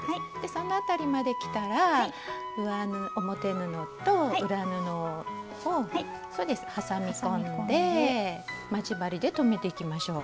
そのあたりまで来たら表布と裏布をそうです挟み込んで待ち針で留めていきましょう。